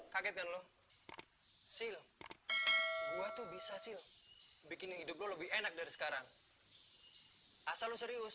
kagetkan lo sil gua tuh bisa sil bikin hidup lebih enak dari sekarang hai asal serius